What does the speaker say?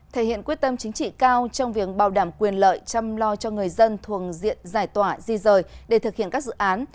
thể hiện quyết tâm chính trị cao trong việc bảo đảm quyền lợi chăm lo cho người dân thuồng diện giải tỏa di rời để thực hiện các dự án